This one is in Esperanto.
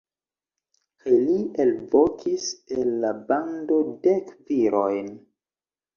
Kaj li elvokis el la bando dek virojn.